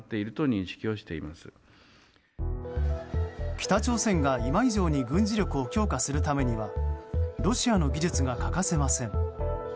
北朝鮮が今以上に軍事力を強化するためにはロシアの技術が欠かせません。